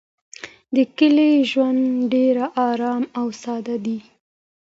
د کلي ژوند ډېر ارام او ساده دی.